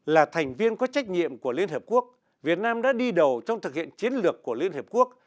là thành viên có trách nhiệm của liên hợp quốc việt nam đã đi đầu trong thực hiện chiến lược của liên hiệp quốc